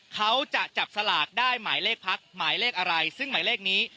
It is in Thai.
เขาจะจับสลากได้หมายเลขพักหมายเลขอะไรซึ่งหมายเลขนี้